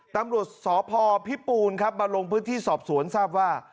ตำรวจสพพิปูนครับมาลงพื้นที่สอบสวนทราบว่า